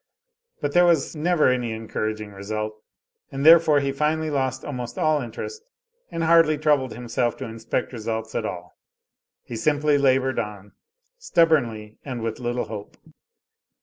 But there was never any encouraging result; and therefore he finally lost almost all interest, and hardly troubled himself to inspect results at all. He simply labored on, stubbornly and with little hope.